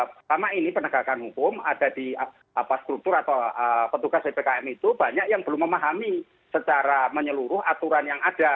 karena lama ini penegakan hukum ada di struktur atau petugas ppkm itu banyak yang belum memahami secara menyeluruh aturan yang ada